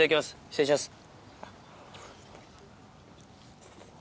失礼します。